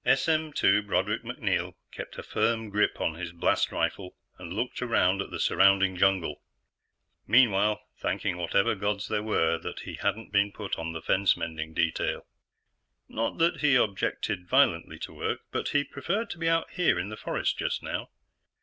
SM/2 Broderick MacNeil kept a firm grip on his blast rifle and looked around at the surrounding jungle, meanwhile thanking whatever gods there were that he hadn't been put on the fence mending detail. Not that he objected violently to work, but he preferred to be out here in the forest just now.